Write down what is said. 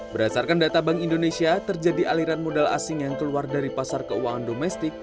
berdasarkan data bank indonesia terjadi aliran modal asing yang keluar dari pasar keuangan domestik